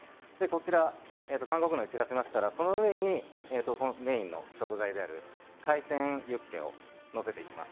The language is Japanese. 韓国のりを散らしましたらその上にメインの食材海鮮ユッケをのせます。